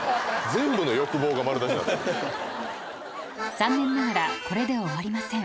［残念ながらこれで終わりません］